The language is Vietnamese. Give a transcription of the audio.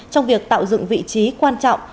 trong việc tạo dựng vị trí quan trọng